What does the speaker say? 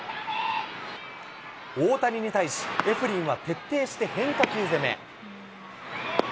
大谷に対し、エフリンは徹底して変化球攻め。